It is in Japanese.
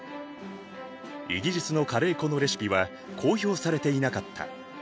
イギリスのカレー粉のレシピは公表されていなかった。